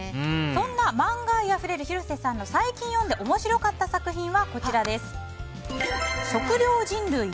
そんなマンガ愛あふれる広瀬さんが最近読んで面白かった作品が「食糧人類Ｒｅ：」。